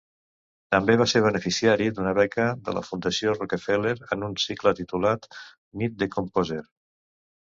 També va ser beneficiari d'una beca de la fundació Rockefeller en un cicle titulat "Meet the Composer".